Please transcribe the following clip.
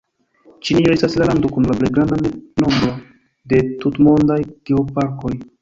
Ĉinio estas la lando kun la plej granda nombro de tutmondaj geoparkoj.